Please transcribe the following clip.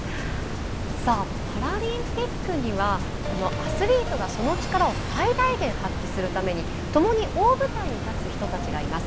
パラリンピックにはアスリートがその力を最大限、発揮するためにともに大舞台に立つ人たちがいます。